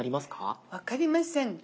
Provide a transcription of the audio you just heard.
分かりません。